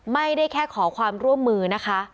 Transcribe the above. ไม่ได้แค่ขอความร่วมมือนะคะ